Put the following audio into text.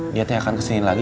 dia akan kesini lagi